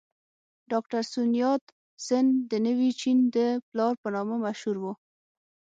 ډاکټر سون یات سن د نوي چین د پلار په نامه مشهور و.